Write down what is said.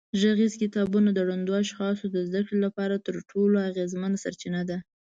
غږیز کتابونه د ړندو اشخاصو د زده کړې لپاره تر ټولو اغېزمنه سرچینه ده.